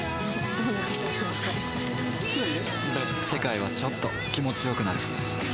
世界はちょっと気持ちよくなる